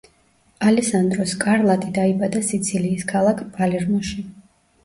ალესანდრო სკარლატი დაიბადა სიცილიის ქალაქ პალერმოში.